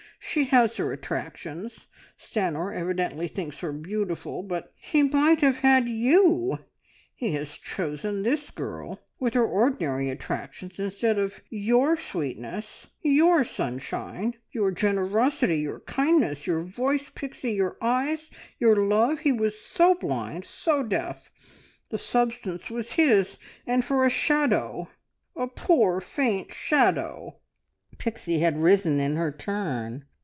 She has her attractions Stanor evidently thinks her beautiful but he might have had You! ... He has chosen this girl with her ordinary attractions, instead of your sweetness, your sunshine, your generosity, your kindness! Your voice, Pixie; your eyes ... Your love! He was so blind ... so deaf. ... The substance was his, and for a shadow a poor, faint shadow " Pixie had risen in her turn.